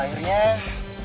akhirnya ketemu juga